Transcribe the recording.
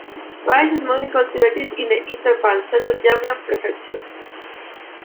Rice is mostly cultivated in the eastern parts, such as Yanbian Prefecture.